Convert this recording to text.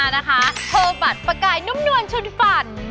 นะคะเพลิงปัดประกายนุ่มนวลชนฝัน